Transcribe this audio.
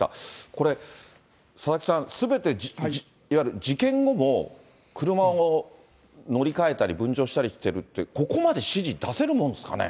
これ、佐々木さん、すべて、いわゆる事件後も、車を乗り換えたり、分乗したりしてるって、ここまで指示出せるものですかね。